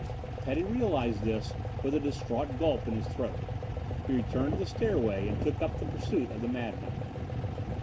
Teddy realized this with a distraught gulp in his throat. He returned to the stairway and took up the pursuit of the madman.